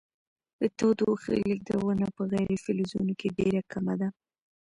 د تودوخې لیږدونه په غیر فلزونو کې ډیره کمه ده.